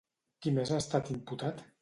Qui més ha estat imputat?